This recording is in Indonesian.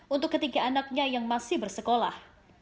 untuk ketiga anaknya yang masih bersekolah